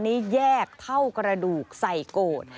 ได้แยกเท่ากระดูกใส่โกด